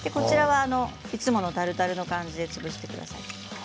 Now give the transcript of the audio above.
いつものタルタルの感じで潰してください。